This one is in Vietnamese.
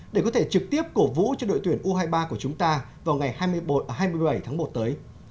để có thể trực tiếp cổ vũ cho đội tuyển u hai mươi ba của chúng ta vào ngày hai mươi bảy tháng một tới